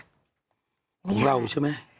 ของเราใช่ไหม